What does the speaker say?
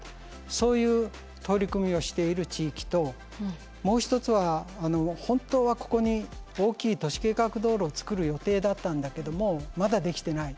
そういう取り組みをしている地域ともう一つは本当はここに大きい都市計画道路をつくる予定だったんだけどもまだ出来てない。